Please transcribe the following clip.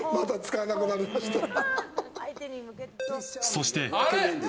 そして。